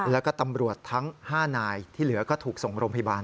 แล้วก็ตำรวจทั้ง๕นายที่เหลือก็ถูกส่งโรงพยาบาล